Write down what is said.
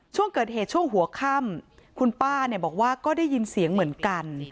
ช่วงเกิดเหตุช่วงหัวค่ำคุณป้าบอกว่าก็ได้ยินเสียงเหมือนกัน